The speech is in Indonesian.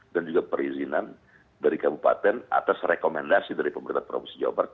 dan juga perizinan dari kabupaten atas rekomendasi dari pemerintah provinsi jawa barat